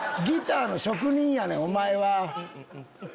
ギターの職人やねんお前は。